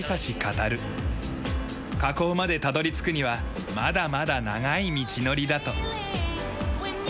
河口までたどり着くにはまだまだ長い道のりだと。